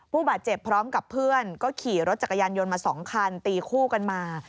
ผู้บาดเจ็บพร้อมกับเพื่อนก็ขี่รถจักรยานยนต์มา๒คันตีคู่กันมา